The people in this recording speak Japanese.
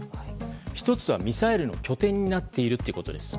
１つはミサイルの拠点になっているということです。